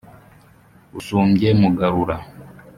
usumbye mugarura